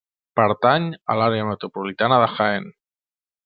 Pertany a l'Àrea metropolitana de Jaén.